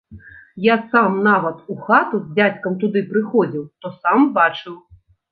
Я сам нават у хату з дзядзькам туды прыходзіў, то сам бачыў.